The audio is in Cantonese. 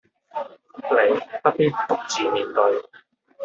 你不必獨自面對